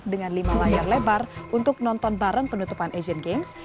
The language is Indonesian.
dengan lima layar lebar untuk nonton bareng penutupan asian games